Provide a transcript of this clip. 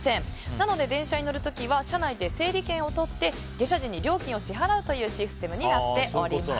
なので、電車に乗る時は車内で整理券をとって下車時に料金を支払うというシステムになっております。